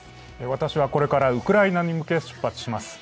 私はこれからウクライナに向け出発します。